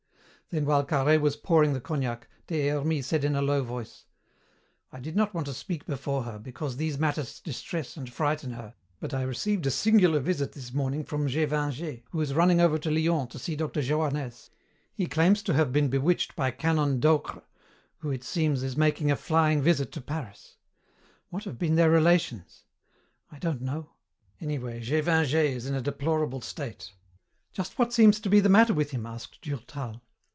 Then while Carhaix was pouring the cognac, Des Hermies said in a low voice, "I did not want to speak before her, because these matters distress and frighten her, but I received a singular visit this morning from Gévingey, who is running over to Lyons to see Dr. Johannès. He claims to have been bewitched by Canon Docre, who, it seems, is making a flying visit to Paris. What have been their relations? I don't know. Anyway, Gévingey is in a deplorable state." "Just what seems to be the matter with him?" asked Durtal.